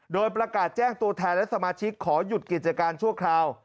โดยประกาศแจ้งตัวแทนและสมาชิกขอหยุดกิจการชั่วคราว